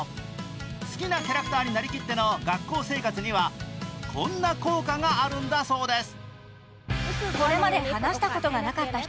好きなキャラクターになりきっての学校生活ではこんな効果があるんだそうです。